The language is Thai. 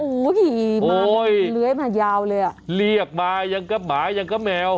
โอ้โห้ยเลี้ยวเลยอะเลียกมายังเป็นหมายังเป็นแมว